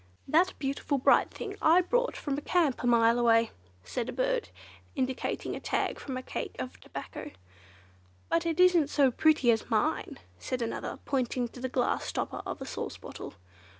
"That beautiful bright thing I brought from a camp a mile away," said a bird, indicating a tag from a cake of tobacco. "But it isn't so pretty as mine," said another, pointing to the glass stopper of a sauce bottle.